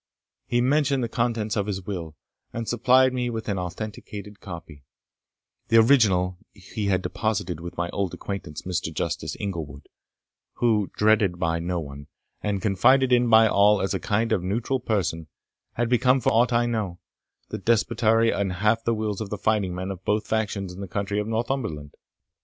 He mentioned the contents of his will, and supplied me with an authenticated copy; the original he had deposited with my old acquaintance Mr. Justice Inglewood, who, dreaded by no one, and confided in by all as a kind of neutral person, had become, for aught I know, the depositary of half the wills of the fighting men of both factions in the county of Northumberland.